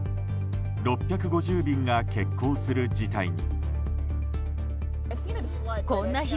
６５０便が欠航する事態に。